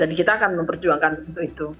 jadi kita akan memperjuangkan untuk itu